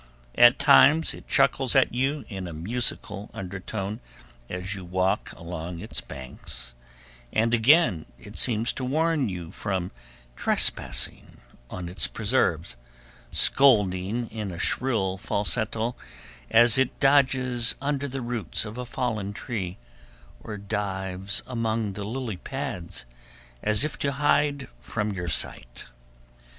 At times it chuckles at you in a musical undertone as you walk along its banks, and again it seems to warn you from trespassing on its preserves, scolding in a shrill falsetto as it dodges under the roots of a fallen tree, or dives among the lilypads, as if to hide from your sight.